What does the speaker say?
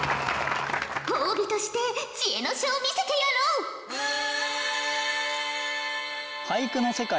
褒美として知恵の書を見せてやろう！ええ！？